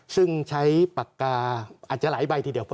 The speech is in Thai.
ซึ่งใช้ปากกาอาจจะหลายใบทีเดียว